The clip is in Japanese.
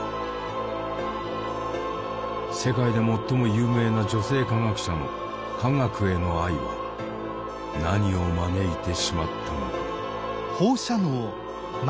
世界で最も有名な女性科学者の科学への愛は何を招いてしまったのか？